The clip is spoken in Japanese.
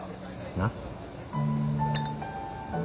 なっ？